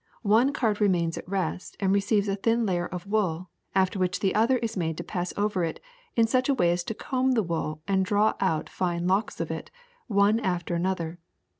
One card remains at rest and receives a thin layer of wool, after which the other is made to pass over it in such a way as to comb the wool and draw out fine locks of it, one after another.